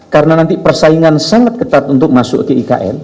karena nanti persaingan sangat ketat untuk masuk ke ikn